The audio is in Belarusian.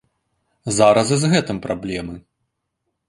Зараз і з гэтым праблемы.